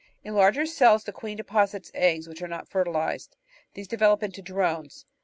In larger cells the queen deposits eggs which are not fertilised, and these develop into drones.